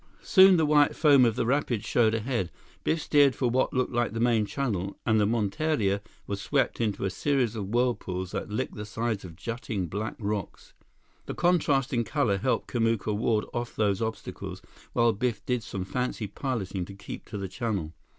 Soon the white foam of the rapids showed ahead. Biff steered for what looked like the main channel, and the monteria was swept into a series of whirlpools that licked the sides of jutting black rocks. The contrast in color helped Kamuka ward off those obstacles, while Biff did some fancy piloting to keep to the channel.